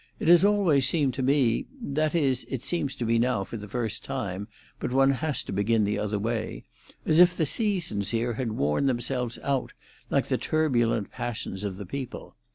"It has always seemed to me—that is, it seems to me now for the first time, but one has to begin the other way—as if the seasons here had worn themselves out like the turbulent passions of the people.